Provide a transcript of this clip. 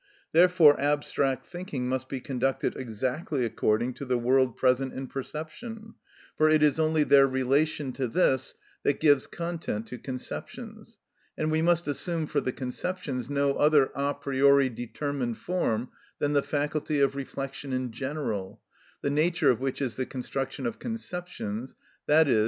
Therefore abstract thinking must be conducted exactly according to the world present in perception, for it is only their relation to this that gives content to conceptions; and we must assume for the conceptions no other a priori determined form than the faculty of reflection in general, the nature of which is the construction of conceptions, _i.e.